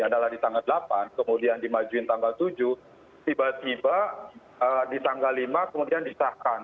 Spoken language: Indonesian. adalah di tanggal delapan kemudian dimajuin tanggal tujuh tiba tiba di tanggal lima kemudian disahkan